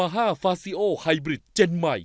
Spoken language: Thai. หลูนิทัย